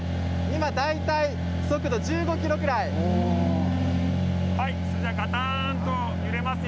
今、大体速度が１５キロぐらいです。